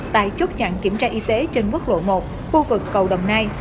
tại chốt chặn kiểm tra y tế trên quốc lộ một khu vực cầu đồng nai